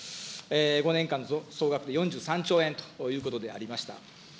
５年間総額で４３兆円ということでありました。